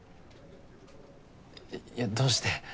えっいやどうして？